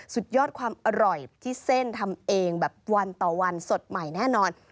สุดยอดความอร่อยที่เส้นทำเองแบบวันต่อวันสดใหม่แน่นอน